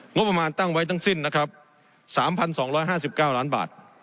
งบประมาณตั้งไว้ตั้งสิ้นนะครับสามพันสองร้อยห้าสิบเก้าล้านบาท